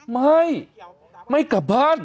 ไม่ไม่กลับบ้าน